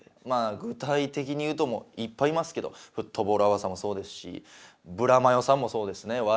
まあ具体的に言うといっぱいいますけどフットボールアワーさんもそうですしブラマヨさんもそうですね。